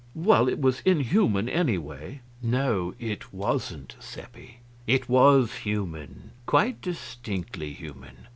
"Well, it was inhuman, anyway." "No, it wasn't, Seppi; it was human quite distinctly human.